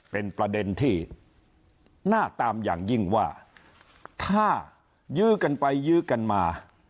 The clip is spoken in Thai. เป็นประเด็นที่น่าตามอย่างยิ่งว่าถ้ายื้อกันไปยื้อกันมา